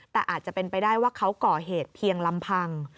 แต่อาจจะเป็นไปได้ว่าเขาก่อเหตุเพียงลำพัง